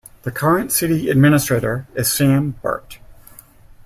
The current City Administrator is Sam Burt.